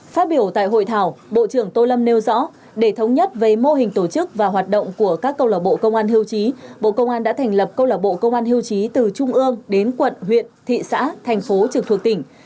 phát biểu tại hội thảo bộ trưởng tô lâm nêu rõ để thống nhất về mô hình tổ chức và hoạt động của các câu lạc bộ công an hiêu chí bộ công an đã thành lập câu lạc bộ công an hưu trí từ trung ương đến quận huyện thị xã thành phố trực thuộc tỉnh